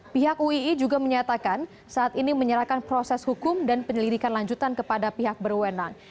pihak uii juga menyatakan saat ini menyerahkan proses hukum dan penyelidikan lanjutan kepada pihak berwenang